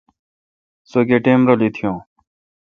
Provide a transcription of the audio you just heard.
سو گیہ ٹئم رل یوں۔